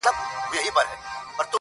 چي د وجود، په هر يو رگ کي دي آباده کړمه~